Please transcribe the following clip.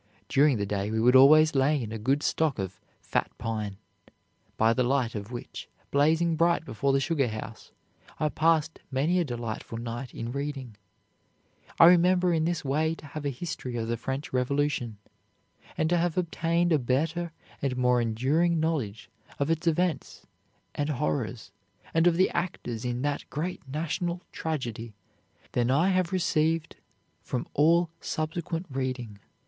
During the day we would always lay in a good stock of 'fat pine,' by the light of which, blazing bright before the sugar house, I passed many a delightful night in reading. I remember in this way to have a history of the French Revolution, and to have obtained a better and more enduring knowledge of its events and horrors and of the actors in that great national tragedy than I have received from all subsequent reading.